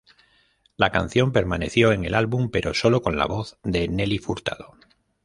La canción permaneció en el álbum, pero sólo con la voz de Nelly Furtado.